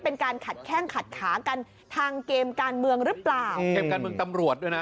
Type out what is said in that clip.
เป็นการขัดแข้งขัดขากันทางเกมการเมืองหรือเปล่าเกมการเมืองตำรวจด้วยนะ